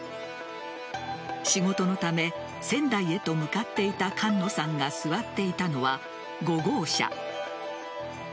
仕事のため仙台へと向かっていた菅野さんが座っていたのは５号車。